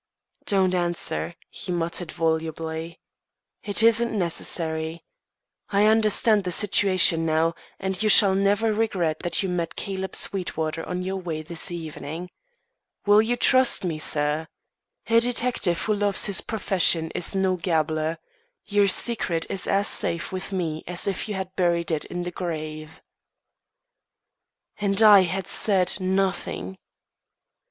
"Don't answer," he muttered, volubly. "It isn't necessary. I understand the situation, now, and you shall never regret that you met Caleb Sweetwater on your walk this evening. Will you trust me, sir? A detective who loves his profession is no gabbler. Your secret is as safe with me as if you had buried it in the grave." And I had said nothing!